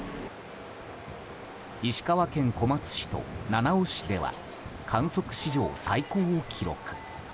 石川県小松市と七尾市では観測史上最高を記録。